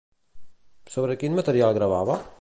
Sobre quin material gravava?